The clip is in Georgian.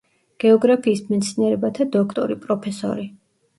გეოგრაფიის მეცნიერებათა დოქტორი, პროფესორი.